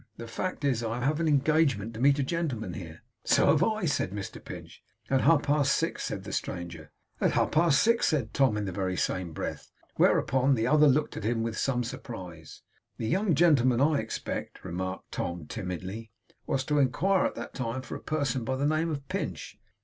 The fact is, I have an engagement to meet a gentleman here.' 'So have I,' said Mr Pinch. 'At half past six,' said the stranger. 'At half past six,' said Tom in the very same breath; whereupon the other looked at him with some surprise. 'The young gentleman, I expect,' remarked Tom, timidly, 'was to inquire at that time for a person by the name of Pinch.